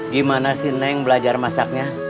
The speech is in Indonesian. gimana sih neng belajar masaknya